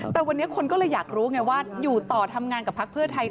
แต่วันนี้คนก็เลยอยากรู้ไงว่าอยู่ต่อทำงานกับพักเพื่อไทย